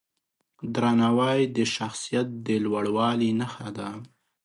درناوی د شخصیت د لوړوالي نښه ده.